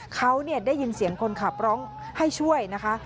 เขาได้ยินเสียงคนขับร้องให้ช่วยนะคะ